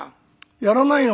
「やらないの？